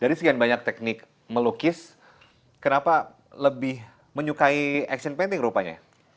dari sekian banyak teknik melukis kenapa lebih menyukai action painting rupanya